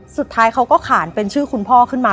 สุดท้ายเขาก็ขานเป็นชื่อคุณพ่อขึ้นมา